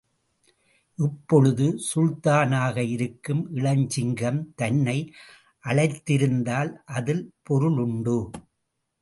இப்பொழுது சுல்தானாக இருக்கும் இளஞ்சிங்கம் தன்னை, அழைத்திருந்தால் அதில் பொருள் உண்டு.